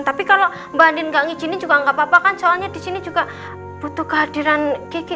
tapi kalau mbak andin gak ngizinin juga gak apa apa kan soalnya disini juga butuh kehadiran kiki